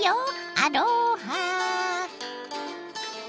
アロハ。